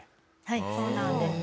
はいそうなんです。